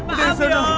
ampun maaf dong